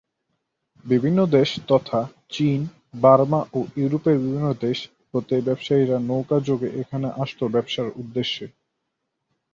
বিভিন্ন দেশ তথা চীন, বার্মা ও ইউরোপের বিভিন্ন দেশ হতে ব্যবসায়ীরা নৌকা যোগে এখানে আসত ব্যবসার উদ্দেশ্যে।